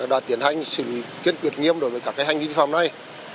đã tiến hành xử lý kiến quyết nghiêm đối với các cái hành vi vi phạm này